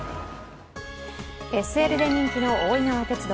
ＳＬで人気の大井川鉄道。